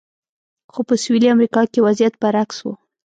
خو په سویلي امریکا کې وضعیت برعکس و.